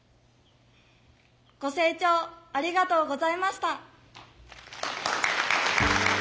ご清聴ありがとうございました。